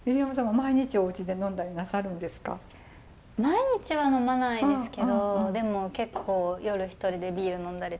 毎日は呑まないですけどでも結構夜一人でビール呑んだりとかは最近。